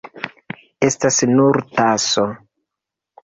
Estas nur taso.